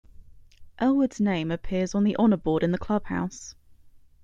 Ellwood's name appears on the honour board in the clubhouse.